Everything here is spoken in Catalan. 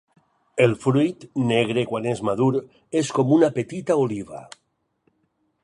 El fruit, negre quan és madur, és com una petita oliva.